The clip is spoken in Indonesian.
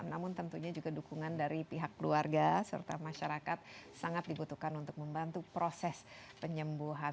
namun tentunya juga dukungan dari pihak keluarga serta masyarakat sangat dibutuhkan untuk membantu proses penyembuhan